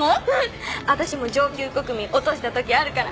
私も上級国民落とした時あるから。